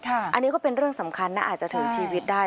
อันนี้ก็เป็นเรื่องสำคัญนะอาจจะถึงชีวิตได้